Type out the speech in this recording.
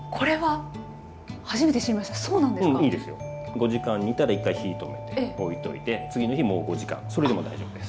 ５時間煮たら１回火止めて置いといて次の日もう５時間それでも大丈夫です。